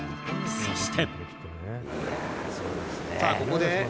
そして。